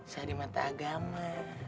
sah di mata agama